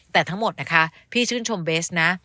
แต่ทั้งหมดนะคะพี่ชื่นชมเบสนะ